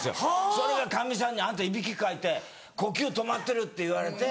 それがかみさんに「あんたいびきかいて呼吸止まってる」って言われて。